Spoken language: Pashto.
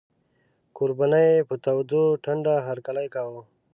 کوربنو یې په توده ټنډه هرکلی کاوه.